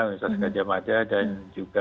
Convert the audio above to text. universitas gajah maja dan juga